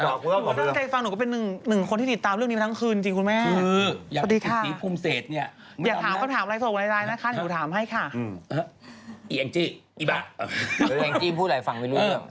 เจ้าแตะเจ๊ฟังหนูก็เป็นหนึ่งคนที่ติดตามเรื่องนี้มาทั้งคืนจริงรึไงคุณแม่